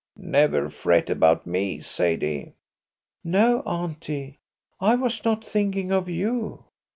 "Never fret about me, Sadie." "No, auntie, I was not thinking of you."